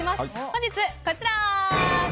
本日、こちら！